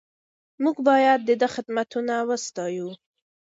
موږ باید د ده خدمتونه وستایو.